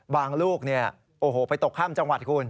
ลูกเนี่ยโอ้โหไปตกข้ามจังหวัดคุณ